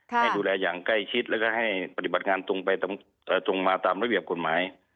ให้ดูแลอย่างใกล้ชิดแล้วก็ให้ปฏิบัติงานตรงไปตรงมาตามระเบียบกฎหมาย